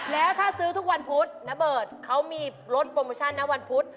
แล้วถ้าซื้อทุกวันพุธนเบิร์ตเขามีลดโปรโมชั่นนะวันพุธ